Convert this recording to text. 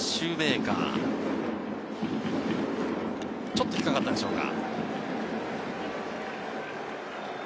ちょっと引っかかったでしょうか。